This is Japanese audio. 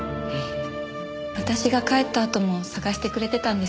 私が帰ったあとも捜してくれてたんです。